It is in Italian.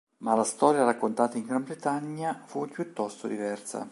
Ma la storia raccontata in Gran Bretagna fu piuttosto diversa.